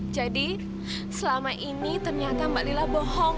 jadi selama ini ternyata mbak lila bohong